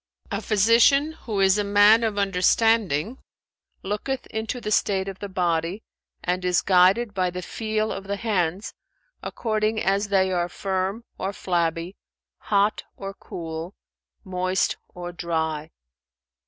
"A physician, who is a man of understanding, looketh into the state of the body and is guided by the feel of the hands,[FN#400] according as they are firm or flabby, hot or cool, moist or dry.